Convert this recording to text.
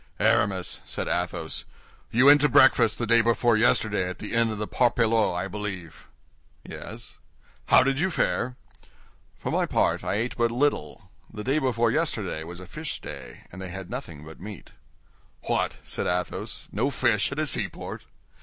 "Aramis," said Athos, "you went to breakfast the day before yesterday at the inn of the Parpaillot, I believe?" "Yes." "How did you fare?" "For my part, I ate but little. The day before yesterday was a fish day, and they had nothing but meat." "What," said Athos, "no fish at a seaport?"